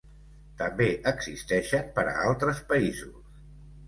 També existeixen per a altres països.